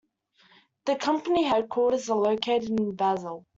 The company headquarters are located in Basel.